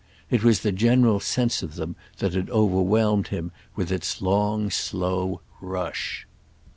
It was the general sense of them that had overwhelmed him with its long slow rush.